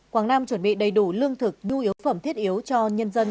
quảng nam chuẩn bị đầy đủ lương thực nhu yếu phẩm thiết yếu cho nhân dân